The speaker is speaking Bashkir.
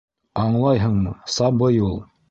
- Аңлайһыңмы: сабый ул.